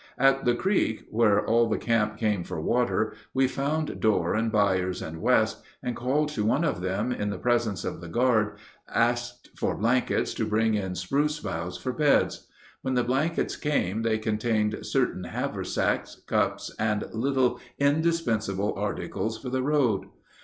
At the creek, where all the camp came for water, we found Dorr and Byers and West, and calling to one of them in the presence of the guard, asked for blankets to bring in spruce boughs for beds. When the blankets came they contained certain haversacks, cups, and little indispensable articles for the road.